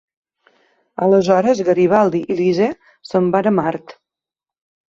Aleshores Garibaldi i Lise se'n van a Mart.